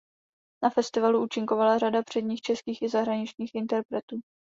Na festivalu účinkovala řada předních českých i zahraničních interpretů.